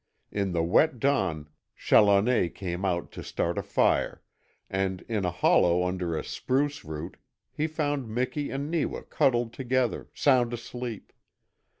In the wet dawn Challoner came out to start a fire, and in a hollow under a spruce root he found Miki and Neewa cuddled together, sound asleep.